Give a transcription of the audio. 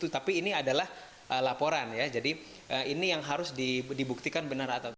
tapi ini adalah laporan ya jadi ini yang harus dibuktikan benar atau tidak